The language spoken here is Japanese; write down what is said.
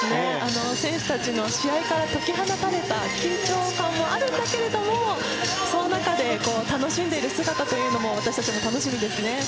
選手たちの試合から解き放たれた、緊張感もあるんだけれども、その中で楽しんでいる姿というのも私たち、楽しみですね。